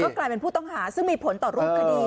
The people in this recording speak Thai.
กลายเป็นผู้ต้องหาซึ่งมีผลต่อรูปคดี